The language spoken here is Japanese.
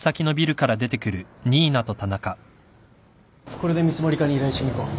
これで見積課に依頼しに行こう。